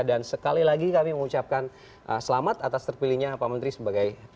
dan sekali lagi kami mengucapkan selamat atas terpilihnya pak menteri sebagai